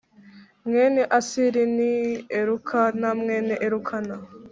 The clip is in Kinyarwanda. Mwene asiri ni elukana mwene elukana